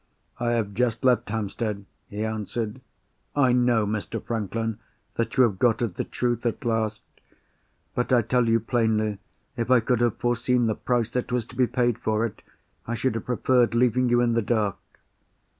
"I have just left Hampstead," he answered. "I know, Mr. Franklin, that you have got at the truth at last. But, I tell you plainly, if I could have foreseen the price that was to be paid for it, I should have preferred leaving you in the dark."